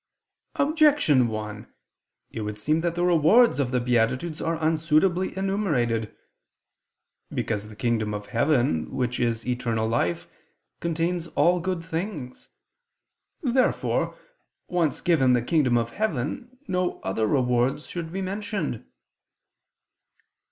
Objection 1: It would seem that the rewards of the beatitudes are unsuitably enumerated. Because the kingdom of heaven, which is eternal life, contains all good things. Therefore, once given the kingdom of heaven, no other rewards should be mentioned.